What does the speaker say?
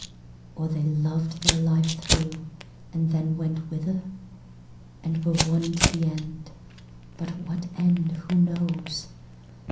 Or they lov'd their life through, and then went whither? And were one to the end—but what end who knows?